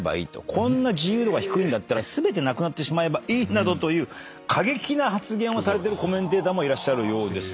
こんな自由度が低いんだったら全てなくなってしまえばいいなどという過激な発言をされてるコメンテーターもいらっしゃるようです。